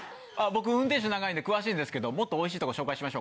僕運転手長いんで詳しいんですけどもっとおいしいとこ紹介しましょうか？